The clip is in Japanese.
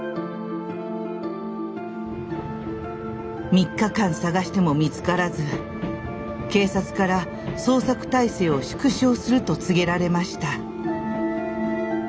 ３日間捜しても見つからず警察から捜索体制を縮小すると告げられました。